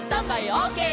オーケー！」